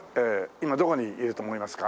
今どこにいると思いますか？